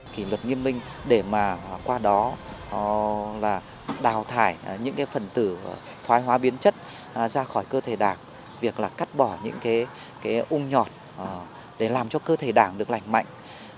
kỷ luật nghiêm minh để mà qua đó là đào thải những cái phần tử thoái hóa biến chất ra khỏi cơ thể đảng việc là cắt bỏ những cái ung nhọt để làm cho cơ thể đảng được lành mạnh